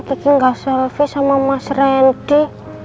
udah lama kiki enggak selfie sama mas randy